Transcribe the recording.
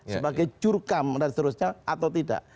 sebagai jurkam dan seterusnya atau tidak